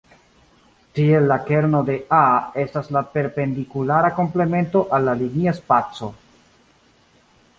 Tiel la kerno de "A" estas la perpendikulara komplemento al la linia spaco.